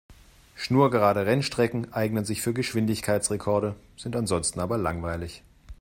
Schnurgerade Rennstrecken eignen sich für Geschwindigkeitsrekorde, sind ansonsten aber langweilig.